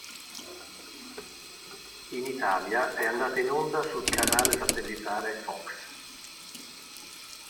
In Italia è andata in onda sul canale satellitare Fox.